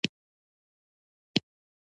علم ذهن ته رڼا ورکوي.